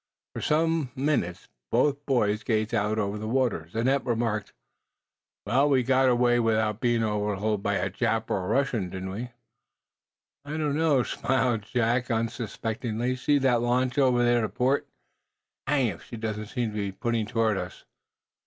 For some minutes both boys gazed out over the waters. Then Eph remarked: "Well, we got away without being overhauled by a Jap or a Russian, didn't we?" "I don't know," smiled Jack, unsuspectingly. "See that launch over to port? Hanged if she doesn't seem to be putting toward us."